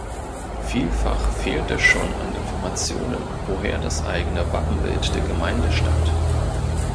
Vielfach fehlt es schon an Informationen, woher das eigene Wappenbild der Gemeinde stammt.